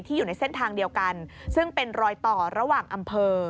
อยู่ในเส้นทางเดียวกันซึ่งเป็นรอยต่อระหว่างอำเภอ